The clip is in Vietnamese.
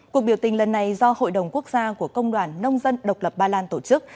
cuộc biểu tình lần này do hội đồng quốc gia của công đoàn nông dân độc lập ba lan tổ chức